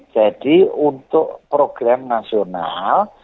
jadi untuk program nasional